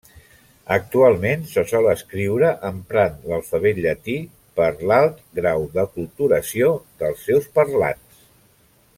Actualment se sol escriure emprant l'alfabet llatí, per l'alt grau d'aculturació dels seus parlants.